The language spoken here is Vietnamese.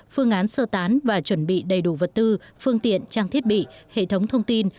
phương án sơ tán và chuẩn bị đầy đủ vật tư phương tiện trang thiết bị hệ thống thông tin